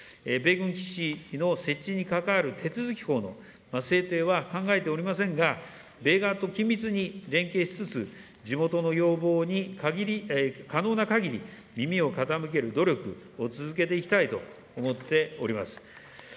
米軍基地の設置に関わる手続法の制定は考えておりませんが、米側と緊密に連携しつつ、地元の要望に可能なかぎり、耳を傾ける努力を続けていきたいと思っております。